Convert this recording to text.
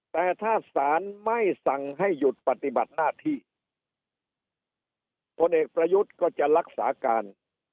แต่ถ้าศาลไม่สั่งให้หยุดปฏิบัติหน้าที่พลเอกประยุทธ์ก็จะรักษาการ